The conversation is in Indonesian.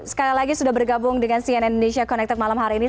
sekali lagi sudah bergabung dengan cn indonesia connected malam hari ini